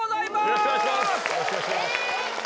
よろしくお願いします